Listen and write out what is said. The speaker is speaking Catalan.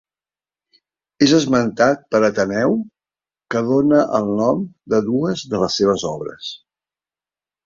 És esmentat per Ateneu que dóna el nom de dues de les seves obres.